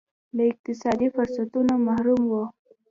له اقتصادي فرصتونو محروم وو.